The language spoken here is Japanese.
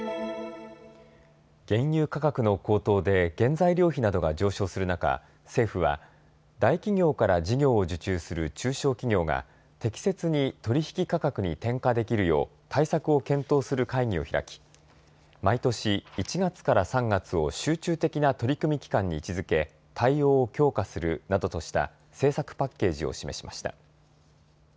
原油価格の高騰で原材料費などが上昇する中、政府は大企業から事業を受注する中小企業が適切に取り引き価格に転嫁できるよう対策を検討する会議を開き毎年、１月から３月を集中的な取り組み期間に位置づけ対応を強化するなどとした政策パッケージを示しました。